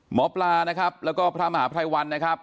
หมอปลานะครับแล้วก็พระมหาภัยวันนะครับ